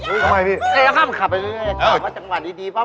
ทำไมพี่